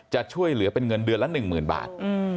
จะช่วยเหลือเป็นเงินเดือนละหนึ่งหมื่นบาท